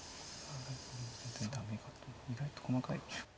意外と細かい。